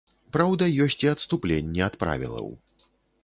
Праўда, ёсць і адступленні ад правілаў.